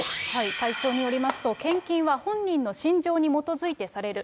会長によりますと、献金は本人の信条に基づいてされる。